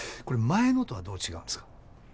これ前のとはどう違うんですか？